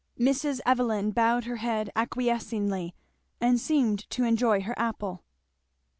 Mrs. Evelyn bowed her head acquiescingly and seemed to enjoy her apple.